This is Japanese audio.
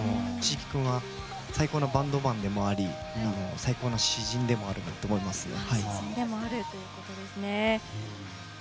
椎木君は最高のバンドマンであり最高の詩人でもあると思います。